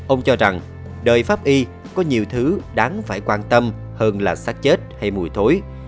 ông cho rằng đời pháp y có nhiều thứ đáng phải quan tâm hơn là sát chết hay mùi thối